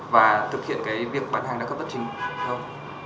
và thực hiện cái việc bán hàng đa cấp bất chính không